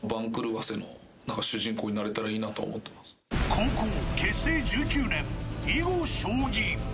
後攻、結成１９年囲碁将棋。